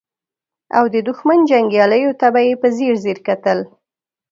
او د دښمن جنګياليو ته به يې په ځير ځير کتل.